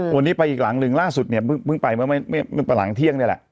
วันนี้ไปอีกหลังหนึ่งล่าสุดเนี่ยเพิ่งไปเมื่อหลังเที่ยงนี่แหละ